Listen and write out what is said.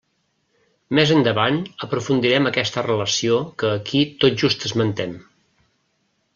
Més endavant aprofundirem aquesta relació que aquí tot just esmentem.